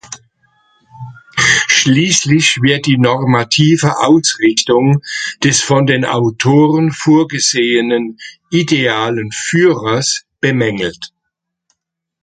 Schließlich wird die normative Ausrichtung des von den Autoren vorgesehenen 'idealen Führers' bemängelt.